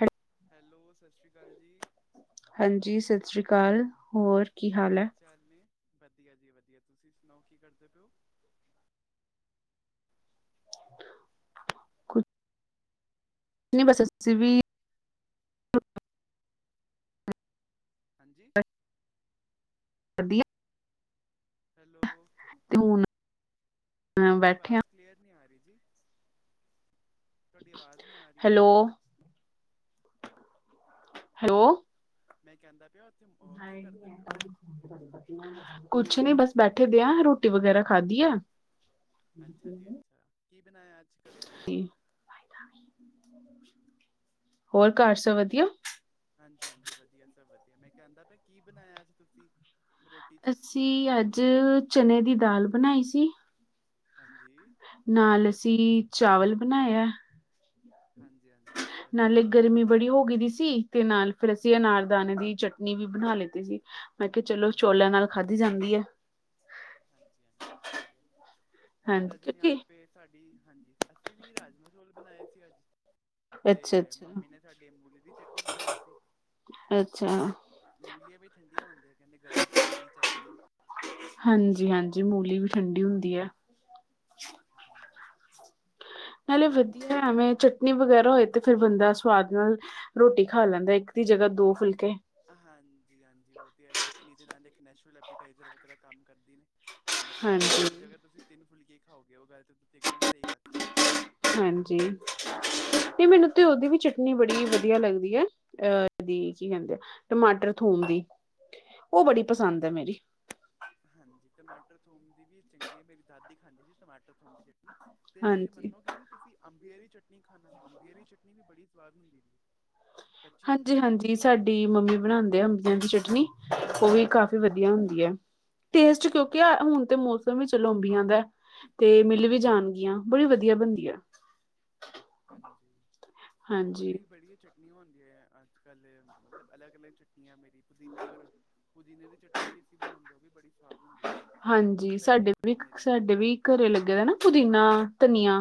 ਹੈਲ ਹੈਲੋ, ਸਤਿ ਸ਼੍ਰੀ ਅਕਾਲ ਜੀ। ਹਾਂਜੀ ਸਤਿ ਸ਼੍ਰੀ ਅਕਾਲ, ਹੋਰ ਕੀ ਹਾਲ ਚਾਲ ਨੇ? ਵਧੀਆ ਜੀ ਵਧੀਆ, ਤੁਸੀਂ ਸੁਣਾਓ, ਕੀ ਕਰਦੇ ਪਏ ਔ? ਕੁਛ ਨਹੀ ਬਸ ਅਸੀ ਵੀ ਹਾਂਜੀ ਵਧੀਆ ਹੈਲੋ ਤੇ ਹੁਣ ਤੁਹਾਡੀ ਬੈਠੇ ਆ ਆਵਾਜ਼ ਕਲੀਅਰ ਨਹੀਂ ਆ ਰਹੀ ਜੀ। ਤੁਹਾਡੀ ਆਵਾਜ਼ ਨਹੀਂ ਆ ਰਹੀ ਹੈਲੋ ਹੈਲੋ ਮੈਂ ਕਹਿੰਦਾ ਪਿਆ, ਉੱਥੇ ਕੀ ਕਰਦੇ ਪਏ ਔ? ਕੁਛ ਨੀ ਬਸ ਬੈਠੇ ਦੇ ਹਾਂ ਰੋਟੀ ਵਗੈਰਾ ਖਾਧੀ ਆ। ਅੱਛਾ ਜੀ ਅੱਛਾ, ਕੀ ਬਣਾਇਆ ਅੱਜ ਘਰੇ? ਤੇ ਹੋਰ ਘਰ ਸਬ ਵਧੀਆ? ਹਾਂਜੀ-ਹਾਂਜੀ, ਵਧੀਆ ਸਭ ਵਧੀਆ ਮੈਂ ਕਹਿੰਦਾ ਪ ਕੀ ਬਣਾਇਆ ਅੱਜ ਤੁਸੀਂ ਰੋਟੀ ਚ ਅਸੀਂ ਅੱਜ ਚਨ ਦੀ ਦਾਲ ਬਣਾਈ ਸੀ। ਹਾਂਜੀ ਨਾਲ ਹੋਰ ਅਸੀਂ ਚਾਵਲ ਬਣਾਇਆ। ਹਾਂਜੀ, ਹਾਂਜੀ। ਚਲੋ ਜੀ ਨਾਲੇ ਅ, ਗਰਮੀ ਬੜੀ ਹੋ ਗਈ ਸੀ, ਤੇ ਨਾਲ ਫਿਰ ਅਸੀਂ ਅਨਾਰ ਦਾਣੇ ਦੀ ਚਟਨੀ ਵੀ ਬਣਾ ਲਿਤੀ ਸੀ। ਮੈਂ ਕਿਹਾ ਚਲੋ ਚੋਲਾਂ ਨਾਲ ਖਾਧੀ ਜਾਂਦੀ ਹੈ। ਹਾਂਜੀ-ਹਾਂਜੀ ਵਧੀਆ, ਮਾਤਾ ਹਾਂਜੀ ਜੀ ਨੇ ਕਿਉਂਕਿ ਆਪੇ ਸਾਡੀ ਹਾਂਜੀ, ਅਸੀਂ ਵੀ ਰਾਜਮਾਂ ਚੋਲ ਬਣਾਏ ਸੀ ਅੱਜ। ਤੇ ਅੱਛਾ ਅੱਛਾ ਮੰਮੀ ਨੇ ਸਾਡੀ ਮੂਲੀ ਦੀ ਚਟਨੀ ਬਣਾਈ ਸੀ। ਅੱਛਾ ਮੂਲੀਆਂ ਵੀ ਠੰਡੀਆਂ ਹੁੰਦੀਆਂ ਨੇ, ਕਹਿੰਦੇ ਗਰਮੀ ਚ ਖਾਣੀ ਚਾਹੀਦੀਆਂ। ਹਾਂਜੀ ਹਾਂਜੀ ਮੂਲੀ ਵੀ ਠੰਡੀ ਹੁੰਦੀ ਹੈ। ਹਾਂਜੀ। ਨਾਲੇ ਹੋਰ ਵਧੀਆ ਮੌਸਮ ਕਿੱਦਾਂ ਐਵੇਂ ਨੀ ਵਗੈਰਾ ਹੋਏ ਤੇ ਫਿਰ ਬੰਦਾ ਸੁਆਦ ਨਾਲ ਰੋਟੀ ਖਾ ਲੈਂਦਾ। ਇੱਕ ਦੀ ਜਗ੍ਹਾ ਦੋ ਫੁਲਕੇ ਹਾਂਜੀ ਹਾਂਜੀ ਉਹ ਤੇ ਹੈ, ਚਟਨੀ ਦੇ ਨਾਲ ਇੱਕ ਨੈਚੂਲਰ ਐਪੀਟਾਈਜਰ ਵਗੈਰਾ ਕੰਮ ਕਰਦੀ ਨੇ। ਮਤਲਬ ਦੋ ਹਾਂਜੀ। ਦੀ ਜਗ੍ਹਾ ਤੁਸੀਂ ਤਿੰਨ ਫੁਲਕੇ ਖਾਓਗੇ, ਉਹ ਗੱਲ ਤਾਂ ਤੁ ਇਕਦਮ ਤਹੀ ਆਖੀ ਏ। ਹਾਂਜੀ ਤੇ ਮੈਨੂੰ ਤੇ ਓਦੀ ਵੀ ਚਟਨੀ ਬੜੀ ਵਧੀਆ ਲੱਗਦੀ ਏ ਅ ਦੀ, ਕੀ ਕਹਿੰਦੇ ਨੇ, ਟਮਾਟਰ ਥੋਮ ਦੀ। ਉਹ ਬੜੀ ਪਸੰਦ ਐ [unintelligible] ਮੇਰੀ ਹਾਂਜੀ ਟਮਾਟਰ ਥੋਮ ਦੀ ਵੀ ਚੰਗੀ ਏ। ਮੇਰੀ ਦਾਦੀ ਖਾਂਦੀ ਸੀ। ਟਮਾਟਰ ਥੋਮ ਦੀ ਚਟਨੀ ਤੇ ਤੁਸੀਂ ਹਾਂਜੀ। ਮੰਨੋਗੇ ਨੀ, ਤੁਸੀਂ ਅੰਬੀਏ ਦੀ ਚਟਨੀ ਖਾਣਾ, ਅੰਬੀਏ ਦੀ ਚਟਨੀ ਵੀ ਬੜੀ ਸਵਾਦ ਹੁੰਦੀ ਜੇ ਹਾਂਜੀ ਹਾਂਜੀ। ਸਾਡੀ ਮੰਮੀ ਬਣਾਉਂਦੇ ਆ ਅੰਬੀਆਂ ਦੀ ਚਟਨੀ, ਉਹ ਵੀ ਕਾਫੀ ਵਧੀਆ ਹੁੰਦੀ ਏ। ਟੇਸਟ ਕਿਉਂਕਿਆ ਹਾਂਜੀ ਹੁਣ ਤੇ ਮੌਸਮ ਵੀ ਚਲੋ ਅੰਬੀਆਂ ਦਾ, ਤੇ ਮਿਲ ਵੀ ਜਾਣਗੀਆਂ। ਬੜੀ ਵਧੀਆ ਬਣਦੀ ਏ। ਹਾਂਜੀ ਔਰ ਹਾਂਜੀ। ਵੀ ਬੜੀ ਚਟਨੀਆਂ ਆਉਦੀਆਂ ਅੱਜ ਕੱਲ ਮਤਲਬ ਅਲੱਗ- ਅਲੱਗ ਚਟ ਤੀਆ ਮੇਰੀ ਪੁਦੀਨੇ ਔਰ, ਪੁਦੀਨੇ ਦੀ ਚਟਨੀ ਵੀ ਅਸੀਂ ਬਣਾਆਂਦੇ, ਔ ਵੀ ਬੜੀ ਸਵਾਦ ਹੁੰਦੀ ਹੈ ਹਾਂਜੀ ਧਨੀਏ ਸਾਡੇ ਵੀਕ, ਪੁਦੀਨੇ ਦੀ ਸਾਡੇ ਵੀ ਘਰੇ ਲੱਗੇਆ‌ ਵਾ ਨਾ ਪੁਦੀਨਾ, ਧਨੀਆ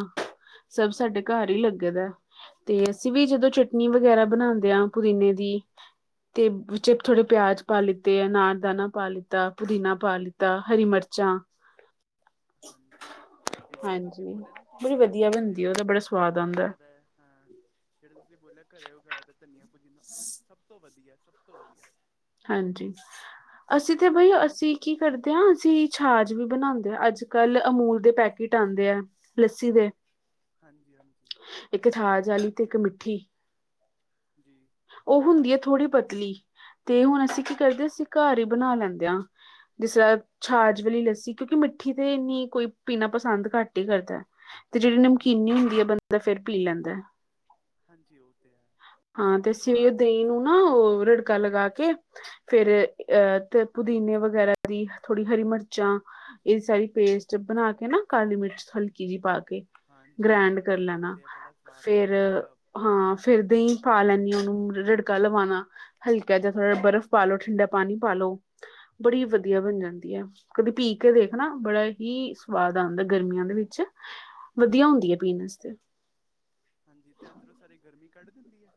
ਸਭ ਸਾਡੇ ਹਾਂਜੀ ਘਰ ਈ ਹਾਂਜੀ ਲੱਗਦਾ ਤੇ ਅਸੀਂ ਵੀ ਚਲੋ ਜਦੋਂ ਚ ਨੀ ਵਗੈਰਾ ਬਣਾਉਦੇ ਆ ਪੁਦੀਨੇ ਦੀ ਤੇ ਵਿੱਚੇ ਥੋੜੇ ਪਿਆਜ ਪਾ ਲਿੱਤੇ ਅਨਾਰ ਦਾਨਾ ਪਾ ਲਿੱਤਾ ਪੁਦੀਨਾ ਪਾ ਲੀਤਾ ਹਰੀ ਮਰਚਾਂ ਹਾਂਜੀ। ਇਹ ਜਿਹੜਾ ਤੁਸੀਂ ਹਾਂਜੀ ਬੋਲਿਆ ਨਾ ਬੜੀ ਕਿ, ਤੁਸੀਂ ਵਧੀਆ ਘਰੇ ਬਣਦੀ ਉਹਦਾ ਬੜਾ ਸਵਾਦ ਉਗਾ ਆਉਂਦਾ ਰਹੇ ਹਾਂ। ਜਿਹੜੇ ਤੁਸੀਂ ਬੋਲਿਆ ਘਰੇ ਉਗਾ ਦਿੱਤਾ ਧਨੀਆ ਪੁਦੀਨਾ ਉਹ ਸਭ ਤੋਂ ਵਧੀਆ ਸਭ ਤੋਂ ਵਧੀਆ। ਹਾਂਜੀ ਅਸੀਂ ਅੱਜ ਤੇ ਕੱਲ ਬਾਈ ਤੁਹਾਨੂੰ ਅਸੀਂ ਕੀ ਕਰਦੇ ਆ ਅਸੀਂ ਛਾਜ ਵੀ ਬਣਾਉਦੇ ਆ ਅੱਜ ਕੱਲ ਅਮੂਲ ਦੇ ਪੈਕੇਟ ਆਉਂਦੇ ਆ ਲੱਸੀ ਦੇ। ਹਾਂਜੀ ਹਾਂਜੀ। ਇੱਕ ਥਾਜ ਆਲੀ ਤੇ ਇੱਕ ਮਿੱਠੀ‌। [unintelligible] ਉਹ ਹੁੰਦੀ ਏ ਥੋੜ੍ਹੀ ਪਤਲੀ ਤੇ ਹੁਣ ਅਸੀਂ ਕੀ ਕਰਦੇ ਆ ਅਸੀਂ ਘਰ ਈ ਬਣਾ ਲੈਂਦੇ ਹਾਂ। ਜੀ ਸਰ ਛਾਜ ਵਾਲੀ ਲੱਸੀ ਕਿਉਕਿ ਮਿੱਠੀ ਤੇ ਨੀ ਕੋਈ ਪੀਣਾ ਪਸੰਦ ਘੱਟ ਈ ਕਰਦਾ ਏ ਤੇ ਜਿਹੜੀ ਨਮਕੀਨੀ ਹਾਂਜੀ ਹੁੰਦੀ ਏ ਬੰਦਾ ਫਿਰ ਪੀ ਲੈਂਦਾ। ਹਾਂਜੀ ਉਹ ਤੇ ਏ। ਹਾਂ ਤੇ ਅਸੀ ਵੀ ਉਹ ਦਹੀਂ ਨੂੰ ਨਾ, ਉਹ ਹਾਂ ਰੜਕਾ ਲਗਾ ਕੇ ਫੇਰ ਅਹ ਤੇ ਪੁਦੀਨੇ ਵਗੈਰਾ ਦੀ ਥੋੜ੍ਹੀ ਹਰੀ ਮਰਚਾਂ। ਇਹ ਸਾਰੀ ਪੇਸਟ ਬਣਾ ਕੇ ਨਾ ਕਾਲੀ ਮਿਰਚ ਹਲਕੀ ਜਿਹੀ ਪਾ ਕੇ ਹਾਂ ਜੀਰਾ ਗ੍ਰੈਂਡ ਭੁੰਨ ਕਰ ਕੇ ਲੈਣਾ, ਪਾਉਂਦੇ ਆ ਬੜਾ ਸਵਾਦ ਆਉਂਦਾ ਫੇਰ ਜੀਰਾ ਹਾਂ ਫੇਰ ਦਈ ਪਾ ਲੈਨੀ ਆ ਉਹਨੂੰ ਰਿੜਕਾ ਲਵਾਉਣਾ, ਹਲਕਾ ਜਾ ਥੋੜ੍ਹਾ ਬਰਫ਼ ਪਾ ਲੋ, ਠੰਡਾ ਪਾਣੀ ਪਾ ਲੋ ਬੜੀ ਵਧੀਆ ਹਾਂਜੀ ਬਣ ਜਾਂਦੀ ਏ। ਕਦੀ ਪੀ ਕੇ ਵੇਖਨਾ, ਬੜਾ ਹੀ ਸਵਾਦ ਆਉਂਦਾ ਗਰਮੀਆਂ ਦੇ ਵਿੱਚ ਵਧੀਆ ਹੁੰਦੀ ਏ ਪੀਣ ਆਸਤੇ ਹਾਂਜੀ ਤੇ ਅੰਦਰੋਂ ਸਾਰੀ ਗਰਮੀ ਕੱਢ ਦਿੰਦੀ ਏ।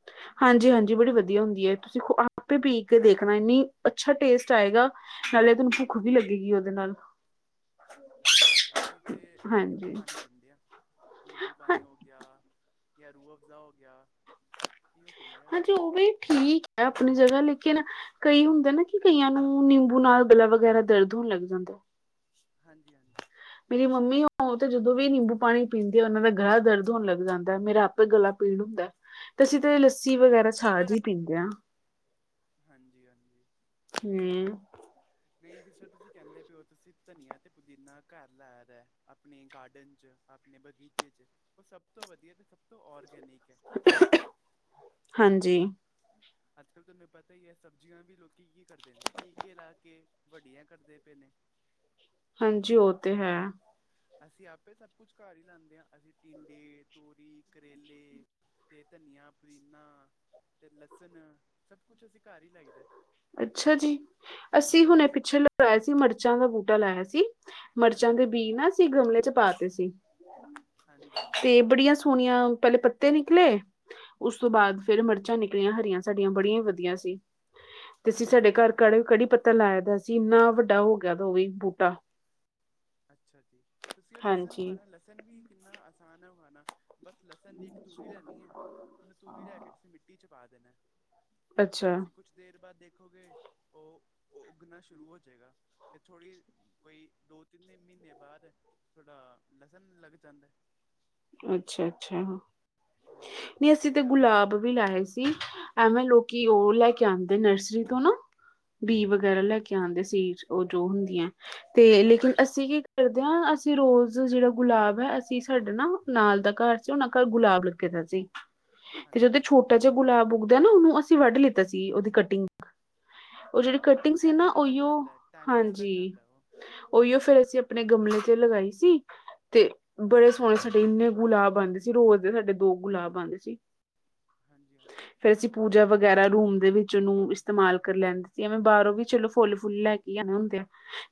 ਹਾਂਜੀ ਹਾਂਜੀ ਬੜੀ ਵਧੀਆ ਹੁੰਦੀ ਏ। ਤੁਸੀਂ ਆਪੇ ਪੀ ਕੇ ਦੇਖਣਾ ਇੰਨੀ ਅੱਛਾ ਟੇਸਟ ਆਏਗਾ। ਨਾਲੇ ਥੋਨੂੰ ਭੁੱਖ ਵੀ ਲੱਗੇਗੀ ਉਹਦੇ ਨਾਲ ਅੱਛਾ ਅਸੀਂ ਤੇ ਉਹ ਨਿੰਬੂ ਹਾਂਜੀ ਪਾਣੀ ਪੀਂਦੇ ਆ, ਨਿੰਬੂ ਹਾਂ ਪਾਣੀ ਓ ਗਿਆ ਜਾ ਰੁਅਵਬਜਾ ਓ ਗਿਆ। ਕੀ ਉਹ ਪਿੰਦ ਹਾਂਜੀ ਉਹ ਵੀ ਠੀਕ ਏ ਆਪਣੀ ਜਗ੍ਹਾ ਲੇਕਿਨ ਕਈ ਹੁੰਦੇ ਨਾ ਕਿ ਕਈਆਂ ਨੂੰ ਨਿੰਬੂ ਨਾਲ ਗਲਾ ਵਗੈਰਾ ਦਰਦ ਹੋਣ ਲੱਗ ਜਾਂਦਾ ਹਾਂਜੀ ਹਾਂਜੀ ਮੇਰੀ ਮੰਮੀ ਉਹ ਤੇ ਜਦੋਂ ਵੀ ਨਿੰਬੂ ਪਾਣੀ ਪੀਂਦੇ ਆ ਉਹਨਾਂ ਦਾ ਗਲਾ ਦਰਦ ਹੋਣ ਲੱਗ ਜਾਂਦਾ ਮੇਰਾ ਗਲਾ ਪੀਣ ਹੁੰਦਾ ਤੇ ਅਸੀਂ ਤੇ ਲੱਸੀ ਵਗੈਰਾ ਛਾਜ ਹੀ ਪੀਂਦੇ ਹਾਂ। ਹਾਂਜੀ ਹਾਂਜੀ ਹਮ ਨਹੀਂ ਜੀ ਸਰ ਤੁਸੀਂ ਕਹਿੰਦੇ ਪਓ ਤੁਸੀਂ ਧਨੀਆ ਤੇ ਪੁਦੀਨਾ ਘਰ ਲਾਇਆ ਦਾ ਆਪਣੇ ਗਾਰਡਨ ਚ ਆਪਣੇ ਬਗੀਚੇ ਚ ਉਹ ਸਭ ਤੋਂ ਵਧੀਆ ਤੇ ਸਭ ਤੋਂ ਔਰਗੈਨਿਕ ਹੈ। ਹਾਂਜੀ ਅੱਜ ਕੱਲ ਤੁਹਾਨੂੰ ਪਤਾ ਹੀ ਹੈ ਸਬਜ਼ੀਆਂ ਵੀ ਲੋਕੀ ਕੀ ਕਰਦੇ ਨੇ ਟੀਕੇ ਲਾ ਕੇ ਵੱਡੀਆਂ ਕਰਦੇ ਪਏ ਨੇ ਹਾਂਜੀ ਉਹ ਤੇ ਹੈ। ਅਸੀਂ ਆਪੇ ਸਭ ਕੁਛ ਘਰ ਹੀ ਲਾਉਂਦੇ ਹਾਂ ਅਸੀਂ ਟਿੰਡੇ ਤੋਰੀ ਕਰੇਲੇ ਤੇ ਧਨੀਆ ਪੁਦੀਨਾ ਤੇ ਲਸਣ ਸਭ ਕੁਛ ਅਸੀਂ ਘਰ ਹੀ ਲਾਈਦਾ ਅੱਛਾ ਜੀ ਅਸੀਂ ਹੁਣੇ ਪਿੱਛੇ ਲੜਾਇਆ ਸੀ ਮਿਰਚਾਂ ਦਾ ਬੂਟਾ ਲਾਇਆ ਸੀ। ਮਿਰਚਾਂ ਹਾਂਜੀ ਦੇ ਬੀ ਹਾਂਜੀ ਨਾ ਅਸੀਂ ਗਮਲੇ ਚ ਪਾਤੇ ਸੀ। ਹਾਂਜੀ ਤੇ ਬੜੀਆਂ ਸੋਹਣੀਆਂ ਪਹਿਲੇ ਪੱਤੇ ਨਿਕਲੇ ਉਸ ਤੋਂ ਬਾਅਦ ਫੇਿਰ ਮਿਰਚਾਂ ਨਿਕਲੀਆਂ ਹਰੀਆਂ ਸਾਡੀਆਂ ਬੜੀਆਂ ਹੀ ਵਧੀਆ ਸੀ। ਤੇ ਅਸੀਂ ਸਾਡੇ ਹਾਂਜੀ ਘਰ ਹਾਂਜੀ ਕ ਕੜੀ ਪੱਤਾ ਲਾਇ ਦਾ ਸੀ ਇੰਨਾ ਵੱਡਾ ਹੋ ਗਿਆ ਉਹ ਵੀ ਬੂਟਾ ਅੱਛਾ ਜੀ ਤੁਸੀਂ ਉਹ ਲਸਣ ਹਾਂਜੀ ਉਗਾਉਣਾ ਲਸਣ ਵੀ ਕਿੰਨਾ ਆਸਾਨ ਹੈ ਉਗਾਉਣਾ ਬਸ ਲਸਣ ਦੀ ਇੱਕ ਤੂਰੀ ਲੈਣੀ ਹੈ। ਉਹਨੂੰ ਤੂਰੀ ਲੈ ਕੇ ਤੁਸੀਂ ਮਿੱਟੀ ਚ ਪਾ ਦੇਣਾ। ਤੇ ਅੱਛਾ ਤੁਸੀਂ ਕੁਛ ਦੇਰ ਬਾਅਦ ਦੇਖੋਗੇ ਉਹ ਉੱਗਣਾ ਸ਼ੁਰੂ ਹੋ ਜਾਏਗਾ। ਤੇ ਥੋੜ੍ਹੀ ਬਈ ਕੋਈ ਦੋ। ਤਿੰਨੇ ਮਹੀਨੇ ਬਾਅਦ ਥੋਡਾ ਲਸਣ ਲੱਗ ਜਾਂਦਾ। ਅੱਛਾ-ਅੱਛਾ ਹਾਂਜੀ ਨਹੀਂ ਅਸੀਂ ਤੇ ਆਪਾਂ ਗੁਲਾਬ। ਵੀ ਲਾਏ ਸੀ ਐਵੇਂ ਲੋਕੀ ਉਹ ਲੈ ਕੇ ਆਉਂਦੇ ਨਰਸਰੀ ਤੋਂ ਨਾ। ਬੀ ਹਾਂਜੀ ਵਗੈਰਾ ਲੈ ਹਾਂਜੀ ਕੇ ਆਉਂਦੇ ਸੀ'ਉਹ ਜੋ ਹੁੰਦੀਆਂ ਤੇ ਲੇਕਿਨ ਅਸੀਂ ਕੀ ਕਰਦੇ ਹਾਂ'ਅਸੀਂ ਰੋਜ਼ ਜਿਹੜਾ ਗੁਲਾਬ ਹੈ ਅਸੀਂ ਸਾਡਾ ਨਾ। ਨਾਲ ਦਾ ਘਰ ਸੀ ਉਹਨਾਂ ਘਰ ਗੁਲਾਬ ਲੱਗੇ ਦਾ ਸੀ। ਤੇ ਹਾਂਜੀ ਜਦੋਂ ਹਾਂਜੀ ਛੋਟਾ ਜ ਗੁਲਾਬ ਉੱਗਦੇ ਨਾ ਉਹਨੂੰ ਅਸੀਂ ਵੱਢ ਲਿੱਤਾ ਸੀ ਉਹਦੀ ਕਟਿੰਗ। ਉਹ ਜਿਹੜੀ ਹਾਂ ਹਾਂ ਕਟਿੰਗ ਸੀ ਨਾ' ਟੈਨੀ ਨਾਲ ਲੱਗ ਉਹੀਓ ਜਾਂਦਾ ਹੈ, ਟੈਨੀ ਨਾਲ ਲੱਗ ਹਾਂਜੀ। ਜਾਂਦਾ ਹੈ ਉਹ ਉਹੀਓ ਫੇਿਰ ਅਸੀਂ ਆਪਣੇ ਗਮਲੇ ਤੇ ਲਗਾਈ ਸੀ ਤੇ ਬੜੇ ਸੋਹਣੇ ਸਾਡੇ ਇੰਨੇ ਗੁਲਾਬ ਆਉਂਦੇ ਸੀ ਰੋਜ਼ ਦੇ ਸਾਡੇ ਦੋ ਗੁਲਾਬ ਆਉਂਦੇ ਸੀ। ਹਾਂਜੀ ਹਾਂਜੀ ਫੇਿਰ ਅਸੀਂ ਪੂਜਾ ਹੁਣ ਵਗੈਰਾ। ਰੂਮ ਦੇ ਵਿੱਚ ਉਹਨੂੰ ਇਸਤੇਮਾਲ ਕਰ ਲੈਂਦੇ ਸੀ ਐਵੇਂ ਬਾਹਰੋਂ ਵੀ ਚਲੋ ਫੁੱਲ ਫੁੱਲ ਲੈ ਕੇ ਆਉਣੇ ਹੁੰਦੇ ਆ।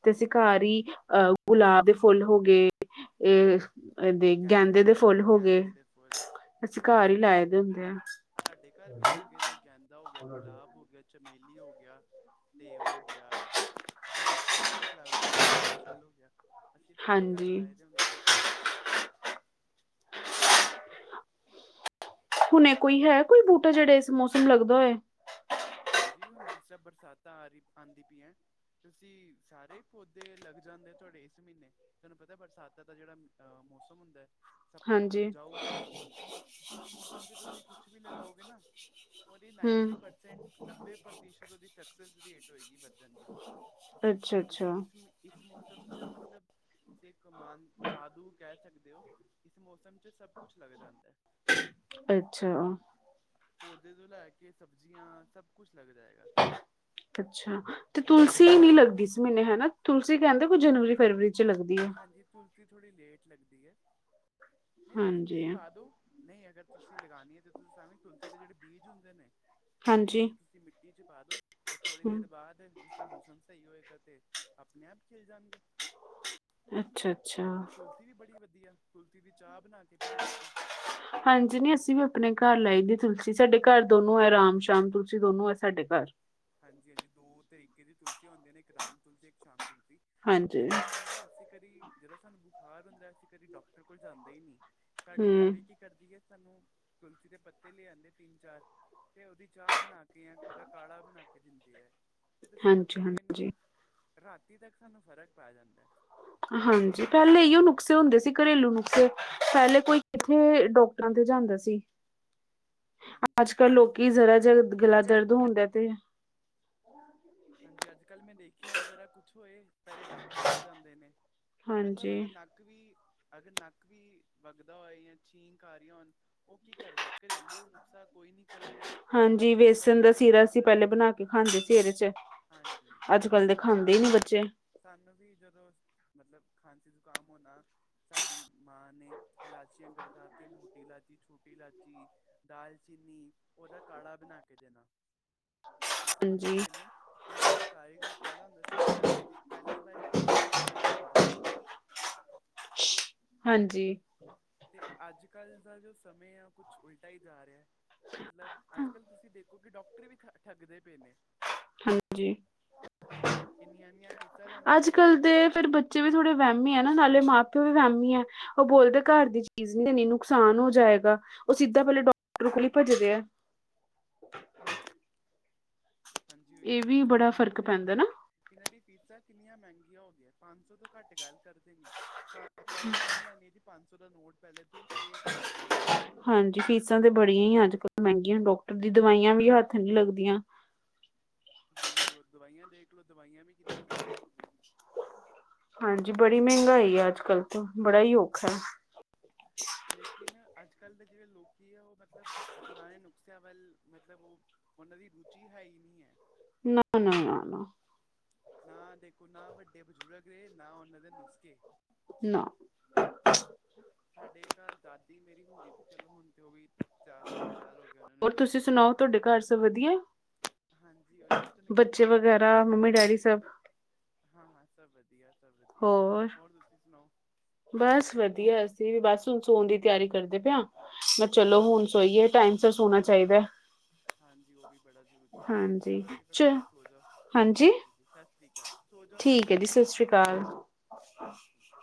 ਤੇਸੀਕਾਰੀ ਅਹ ਗੁਲਾਬ ਦੇ ਫੁੱਲ ਹੋ ਗਏ' ਅ ਦੇ। ਦੇ ਫੁੱਲ ਹੋ ਗਏ ਗੈਂਦੇ ਦੇ ਫੁੱਲ ਅਸੀਂ ਘਰ ਹੀ ਹਾਂਜੀ ਲਾਏ ਦੇ ਹਾਂਜੀ। ਹੁੰਦੇ ਆ ਸਾਡੇ ਘਰ ਵੀ ਲੱਗੇ ਦੇ ਗੈਂਦਾ ਹੋ ਗਿਆ ਗੁਲਾਬ ਭ ਹੋ ਗਿਆ ਚਮੇਲੀ ਹੋ ਗਿਆ ਤੇ ਹੋ ਗਿਆ। ਅਸੀਂ ਬਿਸਕਸ ਦਾ ਫਲਾਵਰ ਗੁੜਹਿਲ ਦਾ ਫੁੱਲ ਹੋ ਗਿਆ ਅਸੀਂ ਸਾਰੇ ਘਰ ਹਾਂਜੀ ਲਾਏ ਦੇ ਹੁੰਦੇ ਨੇ ਹੁਣੇ ਕੋਈ ਹੈ ਕੋਈ ਬੂਟਾ ਜਿਹੜਾ ਇਸ ਮੌਸਮ ਲੱਗਦਾ ਹੋਏ। ਹਾਂਜੀ ਹੁਣ ਜਿਸ ਤਰ੍ਹਾਂ ਬਰਸਾਤਾਂ ਆ ਰਹੀ ਆਉਂਦੀ ਪਈਆਂ। ਤੁਸੀਂ ਸਾਰੇ ਪੌਦੇ ਲੱਗ ਜਾਂਦੇ ਤੁਹਾਡੇ ਇਸ ਮਹੀਨੇ। ਤੁਹਾਨੂੰ ਪਤਾ ਬਰਸਾਤਾਂ ਦਾ ਜਿਹੜਾ ਅਹ ਮੌਸਮ ਹੁੰਦਾ ਹੈ। ਸਭ ਤੋਂ ਹਾਂਜੀ ਉਪਜਾਊ ਮੌਸਮ ਹੁੰਦਾ ਹੈ ਇਸ ਮੌਸਮ ਚ ਤੁਸੀਂ ਕੁਛ ਵੀ ਲਗਾਓਗੇ ਨਾ। ਉਹ ਨਾਈਨਟੀ ਹਮ ਪਰਸੈਂਟ। ਨੱਬੇ ਪ੍ਰਤੀਸ਼ਤ ਉਹਦੀ ਸਕਸੈਸ ਰੇਟ ਹੋਏਗੀ ਵੱਧਣ ਦੀ। ਅੱਛਾ ਕਿਉਂਕਿ ਅੱਛਾ ਇਸ ਇਸ ਮੌਸਮ ਚ ਮਤਲਬ ਏਕ ਸਮਾਨ ਜਾਦੂ ਕਹਿ ਸਕਦੇ ਹੋ। ਇਸ ਮੌਸਮ 'ਚ ਸਭ ਕੁਛ ਲੱਗ ਜਾਂਦਾ ਹੈ। ਅੱਛਾ ਪੌਦੇ ਤੋਂ ਲੈ ਕੇ ਸਬਜ਼ੀਆਂ ਸਭ ਕੁਛ ਲੱਗ ਜਾਏਗਾ। ਅੱਛਾ ਤੇ ਤੁਲਸੀ ਨੀ ਲੱਗਦੀ ਸੀ ਮੀਨੇ ਹੇਨਾ ਤੁਲਸੀ ਕੇਂਦੇ ਕੋਈ ਜਨਵਰੀ ਨ- ਫਰਵਰੀ ਚ ਲੱਗਦੀ ਐ। ਹਾਂਜੀ ਤੁਲਸੀ ਥੋੜ੍ਹੀ ਲੇਟ ਲੱਗਦੀ ਐ। ਨਈ ਤੁਸੀਂ ਬੀਹ ਹਾਂਜੀ ਪਾ ਦੋ। ਨਈ ਅਗਰ ਤੁਸੀਂ ਲਗਾਨੀ ਐ ਤੇ ਤੁਸੀਂ [unintelligible] ਤੁਲਸੀ ਦੇ ਜਿਹੜੇ ਬੀਜ ਹੁੰਦੇ ਨੇ। ਹਾਂਜੀ ਬੀਜ ਤੁਸੀਂ ਮਿੱਟੀ ਚ ਪਾ ਦੋ, ਔਰ ਥੋੜ੍ਹੀ ਹਮ ਦੇਰ ਬਾਦ। ਮੌਸਮ ਸਈ ਹੋਏਗਾ ਤੇ, ਆਪਨੇ ਆਪ ਖਿਲ ਜਾਨਗੇ ਅੱਛਾ-ਅੱਛਾ। ਤੁਲਸੀ ਵੀ ਬੜੀ ਵਧੀਆ ਤੁਲਤੀ ਦੀ ਚਾਹ ਬਣਾ ਕ [inaudible] ਹਾਂਜੀ, ਨੀ ਅਸੀਂ ਵੀ ਆਪਨੇ ਘਾਰ ਲਾਈ ਦੀ ਤੁਲਸੀ, ਸਾਡੇ ਘਾਰ ਦੋਨੋ ਐ ਰਾਮ ਸ਼ਾਮ ਤੁਲਸੀ ਦੋਨੋ ਐ ਸਾਡੇ ਘਾਰ। ਹਾਂਜੀ-ਹਾਂਜੀ ਦੋ ਤਰੀਕੇ ਦੀ ਤੁਲਸੀਆਂ ਹੁੰਦੀਆਂ ਨੇ, ਇੱਕ ਰਾਮ ਤੁਲਸੀ ਇੱਕ ਸ਼ਾਮ ਤੁਲਸੀ, ਹਾਂਜੀ ਤੇ ਮੈਂ ਕੇਂਦਾ ਅਸੀਂ ਕਦੀ ਜਦੋਂ ਸਾਨੂੰ ਬੁਖਾਰ ਹੁੰਦਾ ਅਸੀਂ ਕਦੀ ਡਾਕਟਰ ਕੋਲ ਜਾਂਦੇ ਈ ਨੀ। ਸਾਡੀ ਹੂੰ ਬੇਬੇ ਕਿ ਕਰਦੀ ਐ ਸਾਨੂੰ ਤੁਲਸੀ ਦੇ ਪੱਤੇ ਲੈ ਆਂਦੇ ਤਿੰਨ ਚਾਰ ਤੇ ਉਦੀ ਚਾਹ ਬਨਾ ਕੇ ਯਾ ਉਦਾ ਕਾੜਾ ਬਨਾ ਕੇ ਦਿੰਦੇ ਐ। ਤੇ ਤੁਸੀਂ ਹਾਂਜੀ ਮੰਨੋਗੇ ਨੀ, ਹਾਂਜੀ ਰਾਤੀ ਤੱਕ ਸਾਨੂੰ ਫ਼ਰਕ ਪੈ ਜਾਂਦਾਏ। ਹਾਂਜੀ ਪੇਲੇ ਏਈਓ ਨੁਸਖੇ ਹੁੰਦੇ ਸੀ ਘਰੇਲੂ ਨੁਕਸੇ। ਪੇਲੇ ਕੋਈ ਕਿੱਥੇ ਡਾਕਟਰਾਂ ਤੇ ਜਾਂਦਾ ਸੀ। [inaudible] ਹਾਂਜੀ ਅੱਜ ਕੱਲ੍ਹ ਲੋਕੀ ਜ਼ਰਾ ਜ ਗਲਾ ਦਰਦ ਜਦ ਹੁੰਦਾ ਤੇ ਹਾਂਜੀ ਅੱਜ ਕੱਲ੍ਹ ਮੈਂ ਦੇਖਿਆ ਜ਼ਰਾ ਕੁਛ ਹੋਏ ਪਹਿਲੇ ਡਾਕਟਰ ਕੋਲ ਜਾਂਦੇ ਨੇ। ਮਤਲਬ ਹਾਂਜੀ ਅਗਰ ਨੱਕ ਵੀ, ਅਗਰ ਨੱਕ ਵੀ ਵਗਦਾ ਹੋਏ ਜਾਂ ਛੀਂਕ ਅਰੀਆਂ ਹੋਨ। ਓ ਕੀ ਕਰਦੇ, ਘਰੇਲੂ ਨੁਕਸਾ ਕੋਈ ਨੀ ਕਰਨਗੇ। ਸਭ ਹਾਂਜੀ ਤੋਂ ਵੇਸਨ ਦਾ ਪਹਿਲੇ ਸੀਰਾ ਅਸੀਂ ਡਾਕਟਰ ਪਹਿਲੇ ਬਣਾ ਕੇ ਖਾਂਦੇ ਸੀ ਕੋਲੋ ਇਹਦੇ ਚ, ਹਾਂਜੀ ਅੱਜ ਕੱਲ ਦੇ ਹਾਂਜੀ ਖਾਂ ਹੁੰਦੇ ਈ ਨੀ ਬੱਚੇ। ਸਾਨੂੰ ਵੀ ਜਦੋਂ, ਮਤਲਬ ਖਾਂਸੀ ਜ਼ੁਕਾਮ ਹੋਨਾ। ਸਾਡੀ ਮਾਂ ਨੇ ਲਾਚੀਆਂ ਗੜਕਾ ਕੇ ਮੋਟੀ ਲਾਚੀ, ਛੋਟੀ ਲਾਚੀ ਦਾਲਚੀਨੀ ਉਹਦਾ ਕਾ਼ਾ ਬਣਾ ਕੇ ਦੇਣਾ [unintelligible] ਹਾਂਜੀ ਮੰਨੋਗੇ ਨੀ, ਇੰਨਾ ਕਾਰੀਗਰ ਕਾੜਾ ਹੁੰਦਾ ਸੀ ਪਹਿਲੇ ਦੀ ਪੇਲੀ ਵਾਰੀ ਪੀ ਕੇ ਈ ਨਾ ਗਲਾ ਖੁੱਲ ਜਾਂਦਾ ਸੀ। ਹਾਂਜੀ। ਤੇ ਅੱਜ ਕਲ ਦਾ ਜੋ ਸਮੇਂ ਆ ਕੁਛ ਉਲਟਾ ਈ ਜਾ ਰਿਆ। ਮਤਲਬ ਅੱਜ ਕੱਲ੍ਹ ਤੁਸੀਂ ਦੇਖੋ ਕਿ ਡਾਕਟਰ ਵੀ ਠ ਠੱਗਦੇ ਪਏ ਨੇ। ਹਾਂਜੀ, ਇੰਨੀਆਂ ਇੰਨੀਆਂ ਫੀਸਾਂ ਲੈਂਦੇ ਅੱਜ ਆ ਕਲ ਦੇ ਫੇਰ ਬੱ ਚੇ ਵੀ ਥੋੜੇ ਵੇਮੀ ਆ ਨਾ ਨਾਲੇ ਮਾਂ ਪਿਓ ਵੀ ਵੇਮੀ ਐ। ਓਹ ਬੋਲਦੇ ਘਾਰ ਦੀ ਚੀਜ਼ ਨੀ ਨੀ ਨੁਕਸਾਨ ਹੋ ਜਾਏਗਾ। ਓਹ ਸਿੱਧਾ ਪੇਲੇ ਡਾਕਟਰ ਕੋਲ ਈ ਭੱਜਦੇ ਐ। ਹਾਂਜੀ ਓਈਯੋ ਇਹ ਨਾ, ਵੀ ਤੇ ਬੜਾ ਤੁਸੀਂ ਓਹ ਫ਼ਰਕ ਪੈਂਦਾ ਦੇਖੋ। ਨਾ। ਏਹਨਾਂ ਦੀ ਫੀਸਾਂ ਕਿੰਨੀਆਂ ਮਹਿੰਗੀਆਂ ਹੋ ਗਈਆਂ। ਪੰਜ ਸੋ ਤੋਂ ਘੱਟ ਗੱਲ ਕਰਦੇ ਨੀ। ਪਾਂ ਅਪੋਇੰਟਮੈਂਟ ਲੈਣੀ ਐ ਜੀ ਪੰਜ ਸੌ ਦਾ ਨੋਟ ਪਹਿਲੇ ਥੂ ਤੇ ਅਪੋਇੰਟਮੈਂਟ ਹੋਈ। ਹਾਂਜੀ ਫੀਸਾਂ ਤੇ ਬੜੀ ਅੱਜ ਕੱਲ ਮਹਿੰਗੀਆਂ। ਡਾਕਟਰ ਦੀ ਦਵਾਈਆਂ ਵੀ ਹੱਥ ਨੀ ਲੱਗਦੀਆਂ। ਹਾਂਜੀ ਓ ਦਵਾਈਆਂ ਦੇਖਲੋ, ਦਵਾਈਆਂ ਵੀ ਕਿੰਨੀਆਂ ਮਹਿੰਗੀਆਂ ਹੋ ਗਈਆਂ ਨੇ। ਹਾਂਜੀ ਬੜੀ ਮਹਿੰਗਾਈ ਅੱਜ ਕੱਲ੍ਹ ਤੋਂ ਬੜਾ ਈ ਔਖਾ ਐ। ਲੇਕਿਨ ਅੱਜ ਕੱਲ ਦੇ ਜਿਹੜੇ ਲੋਕੀ ਆ ਉਹ ਮਤਲਬ ਪੁਰਾਨੇ ਨੁਕਸਿਆਂ ਵੱਲ, ਮਤਲਬ ਓ ਉਹਨਾਂ ਦੀ ਰੁਚੀ ਹੈ ਈ ਨਈ ਐ। ਨਾ-ਨਾ, ਨਾ-ਨਾ। ਨਾ ਦੇਖੋ ਨਾ ਵੱਡੇ ਬਜ਼ੁਰਗ ਰਹੇ ਨਾ ਉਹਨਾਂ ਦੇ ਨੁਸਖੇ। ਨਾ। ਸਾਡੇ ਘਾਰ ਦਾਦੀ ਮੇਰੀ ਹੁੰਦੀ ਸੀ ਚਲੋ ਹੁਨ ਤੇ ਓ ਵੀ ਚਾਰ ਪੰਜ ਸਾਲ ਹੋ ਗਏ ਉਹਨਾਂ ਨੇ ਹੋਰ ਤੁਸੀਂ ਗੁਜ਼ਰੇ ਚ। ਸੁਣਾਓ ਤੁਹਾਡੇ ਘਰ ਸਭ ਵਧੀਆ ਹਾਂਜੀ ਓਈਯੋ, ਮੈਂ ਤੁਹਾਨੂੰ ਕਹਿੰਦਾ ਬੱਚੇ ਪਿਆ, ਵਗੈਰਾ ਮੇਰੀ ਮੰਮੀ ਡੈਡੀ ਦਾਦੀ ਸਭ ਹੁੰਦੀ ਹਾਂ-ਹਾਂ, ਸਭ ਵਧੀਆ, ਸਭ ਵਧੀਆ ਹੋਰ ਤੁਸੀਂ ਸੁਣਾਓ? ਬਸ ਵਧੀਆ ਅਸੀਂ ਵੀ ਬਸ ਹੁਨ ਸੋਨ ਦੀ ਤਿਆਰੀ ਕਰਦੇ ਪਿਆ ਮੈਂ ਚਲੋ ਹੁਨ ਅੱਛਾ ਸੋਈਏ, ਟਾਈਮ ਅੱਛਾ ਸ ਸੋਣਾ ਚਾਹੀਦਾ। ਹਾਂਜੀ ਉਹ ਵੀ ਬੜਾ ਜ਼ਰੂਰੀ ਹੈ। ਹਾਂਜੀ ਚਲੋ ਜੀ ਫਿਰ ਚ ਤੁਸੀ ਸੌਹ ਜਾਓ। ਹਾਂਜੀ ਜੀ ਸਤਿ ਸ੍ਰੀ ਅਕਾਲ। ਸੋ ਜਾਓ ਫਿਰ ਤੁਸੀਂ, ਸਤਿ ਸ੍ਰੀ ਅਕਾਲ ਜੀ। ਠੀਕ ਹੈ